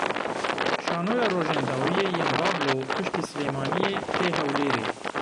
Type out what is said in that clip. Şanoya Rojên Dawiyê yên Bablo piştî Silêmaniyê tê Hewlêrê.